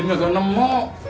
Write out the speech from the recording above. im ga ketemu